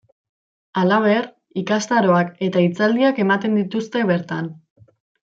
Halaber, ikastaroak eta hitzaldiak ematen dituzte bertan.